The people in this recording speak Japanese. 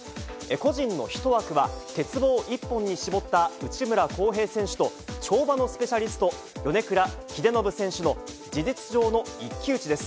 個人の１枠は、鉄棒一本に絞った内村航平選手と、跳馬のスペシャリスト、米倉英信選手の事実上の一騎打ちです。